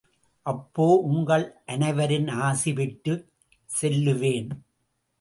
அப்போ உங்கள் அனைவரின் ஆசி பெற்றுச் செல்லுவேன்.